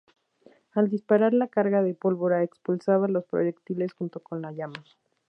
Al disparar, la carga de pólvora expulsaba los proyectiles junto con la llama.